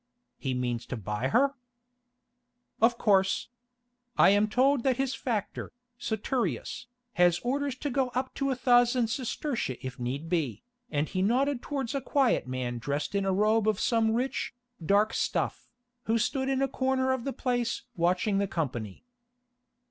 "He means to buy her?" "Of course. I am told that his factor, Saturius, has orders to go up to a thousand sestertia if need be," and he nodded towards a quiet man dressed in a robe of some rich, dark stuff, who stood in a corner of the place watching the company.